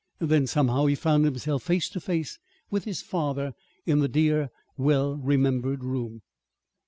Then, somehow, he found himself face to face with his father in the dear, well remembered room.